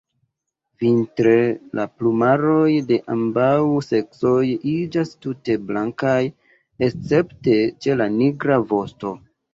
Vintre la plumaroj de ambaŭ seksoj iĝas tute blankaj, escepte ĉe la nigra vosto.